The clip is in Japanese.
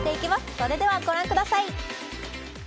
それではご覧ください。